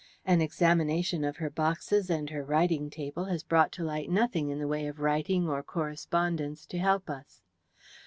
An examination of her boxes and her writing table has brought to light nothing in the way of writing or correspondence to help us.